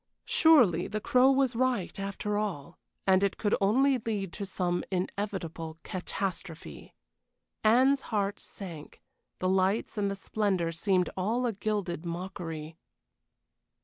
Surely the Crow was right, after all, and it could only lead to some inevitable catastrophe. Anne's heart sank; the lights and the splendor seemed all a gilded mockery.